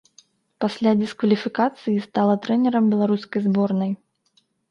Пасля дыскваліфікацыі стала трэнерам беларускай зборнай.